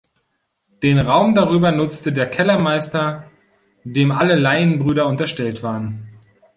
Den Raum darüber nutzte der Kellermeister, dem alle Laienbrüder unterstellt waren.